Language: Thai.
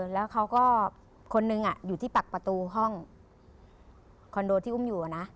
แล้วเขาก็คนนึงอยู่ที่ปักประตูห้องคอนโดที่อุ้มอยู่นะ